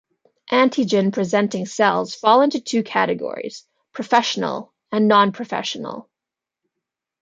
Antigen-presenting cells fall into two categories: professional and non-professional.